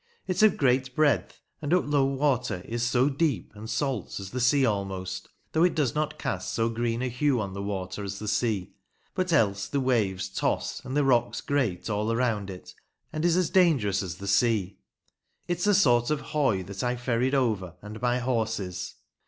It's of great breadth, and at low water is so deep and salt as the sea almost, though it does not cast so green a hue on the water as the sea, but else the waves toss and the rocks grate all round it, and is as dangerous as the sea. It's a sort of Hoy that I ferried over and my horses.